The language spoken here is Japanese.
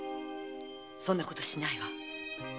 そんなことしないわ。